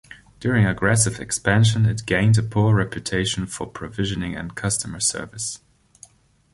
During aggressive expansion it gained a poor reputation for provisioning and customer service.